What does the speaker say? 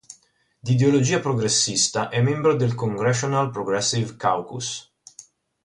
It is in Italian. Di ideologia progressista, è membro del Congressional Progressive Caucus.